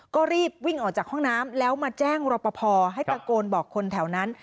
ก็รีบวิ่งออกจากห้องน้ำแล้วมาแจ้งรอปภให้ตะโกนบอกคนแถวนั้น